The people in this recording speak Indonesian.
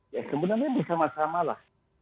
ya sebenarnya bersama samalah